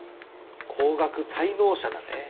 高額滞納者だね。